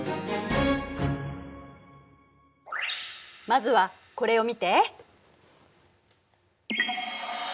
まずはこれを見て。